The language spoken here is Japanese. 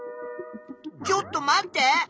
ちょっと待って！